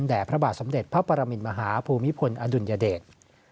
พระบาทสมเด็จพระปรมินมหาภูมิพลอดุลยเดช